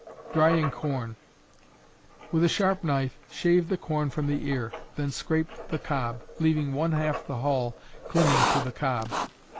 Drying Corn. With a sharp knife shave the corn from the ear, then scrape the cob, leaving one half the hull clinging to the cob.